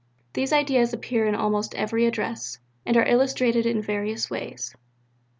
These ideas appear in almost every Address, and are illustrated in various ways.